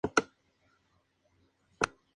Es una revista semestral, publicada dos veces al año.